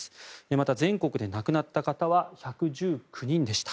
また、全国で亡くなった方は１１９人でした。